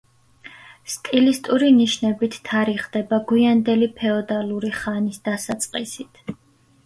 სტილისტური ნიშნებით თარიღდება გვიანდელი ფეოდალური ხანის დასაწყისით.